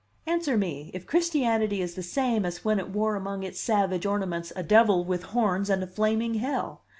Answer me, if Christianity is the same as when it wore among its savage ornaments a devil with horns and a flaming Hell!